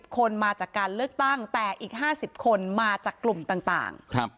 คนมาจากการเลือกตั้งแต่อีก๕๐คนมาจากกลุ่มต่าง